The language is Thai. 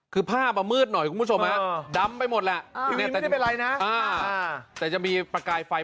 คือภาพมะมืดหน่อยคุณผู้ชมฮะดำไปหมดแล้วอ่าแต่จะมีประกายไฟ